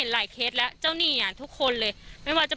ก็กลายเป็นว่าติดต่อพี่น้องคู่นี้ไม่ได้เลยค่ะ